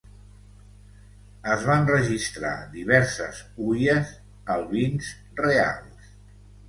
Es van registrar diverses huies albins reals.